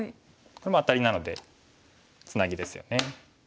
これもアタリなのでツナギですよね。